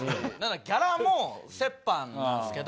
ギャラも折半なんすけど。